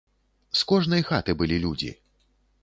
З кожнай хаты былі людзі.